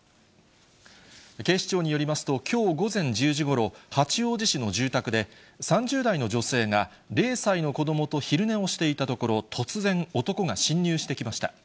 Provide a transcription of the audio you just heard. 警視庁によりますと、きょう午前１０時ごろ、八王子市の住宅で、３０代の女性が、０歳の子どもと昼寝をしていたところ、突然、男が侵入してきました。